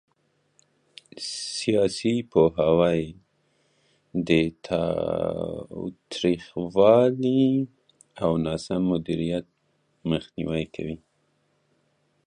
سیاسي پوهاوی د تاوتریخوالي او ناسم مدیریت مخنیوي کوي